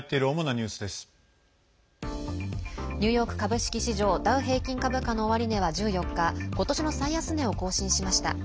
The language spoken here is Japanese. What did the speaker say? ニューヨーク株式市場ダウ平均株価の終値は１４日ことしの最安値を更新しました。